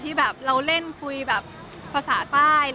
ในรายการเราเล่นคุยภาษาใต้